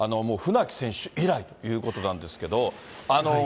もう、船木選手以来ということなんですけど。